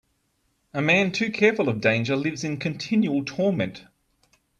A man too careful of danger lives in continual torment.